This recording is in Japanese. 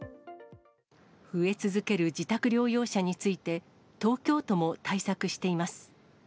増え続ける自宅療養者について、東京都も対策しています。